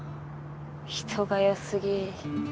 人が良すぎ。